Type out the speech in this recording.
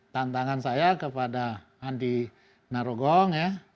tantangan saya kepada andi narogong ya